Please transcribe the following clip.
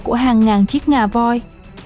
của hàng ngàn chiếc ngà voi